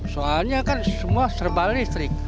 soalnya kan semua serba listrik